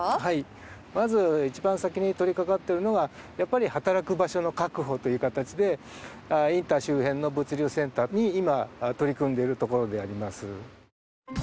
はいまず一番先に取りかかってるのがやっぱり働く場所の確保という形でインター周辺の物流センターに今取り組んでいるところであります